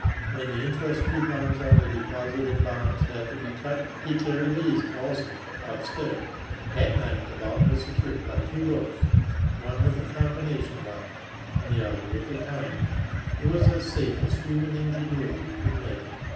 When the interest coupons on the deposited bonds had to be cut he carried these, also, upstairs. At night the vault was secured by two doors, one with a combination lock and the other with a time lock. It was as safe as human ingenuity could make it.